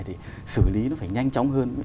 thì xử lý nó phải nhanh chóng hơn